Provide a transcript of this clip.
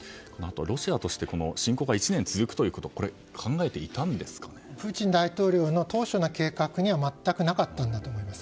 ロシアとして侵攻が１年続くということはプーチン大統領の当初の計画には全くなかったんだと思います。